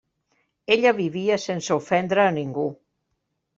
Ella vivia sense ofendre a ningú.